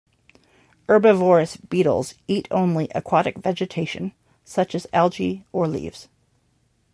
Herbivorous beetles eat only aquatic vegetation, such as algae or leaves.